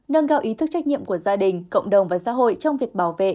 nâng cao ý thức trách nhiệm của gia đình cộng đồng và xã hội trong việc bảo vệ